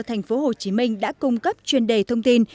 tp hcm đã cung cấp truyền đề thông tin